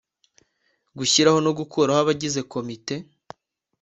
gushyiraho no gukuraho abagize komite